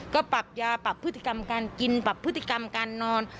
ก็ปรับยาปรับพฤติกรรมการกินปรับพฤติกรรมการนอน